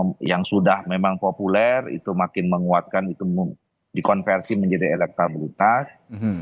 kemudian yang sudah memang populer itu makin menguatkan itu dikonversi menjadi elektabilitas